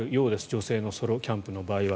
女性のソロキャンプの場合は。